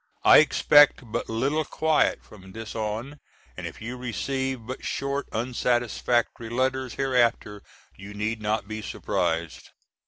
I expect but little quiet from this on and if you receive but short, unsatisfactory letters hereafter you need not be surprised.